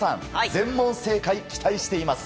全問正解、期待しています。